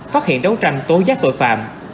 phát hiện đấu tranh tối giác tội phạm